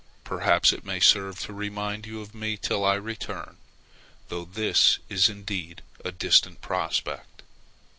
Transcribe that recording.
Perhaps it may serve to remind you of me till I return, though this is indeed a distant prospect.